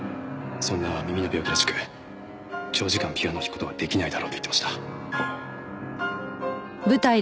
そんな耳の病気らしく長時間ピアノを弾く事はできないだろうと言ってました。